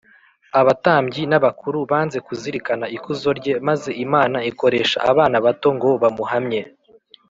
abatambyi n’abakuru banze kuzirikana ikuzo rye, maze imana ikoresha abana bato ngo bamuhamye